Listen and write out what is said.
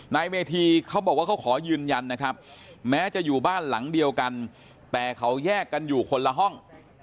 นายเมธีเขาบอกว่าเขาขอยืนยันนะครับแม้จะอยู่บ้านหลังเดียวกันแต่เขาแยกกันอยู่คนละห้อง